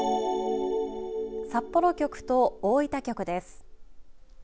札幌局と大分局です。